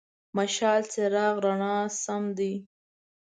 مشال: څراغ، رڼا سم دی.